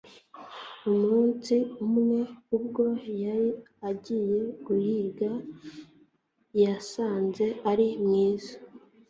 umunsi umwe, ubwo yari agiye guhiga, yasanze ari mwiza